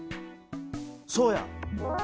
そうや。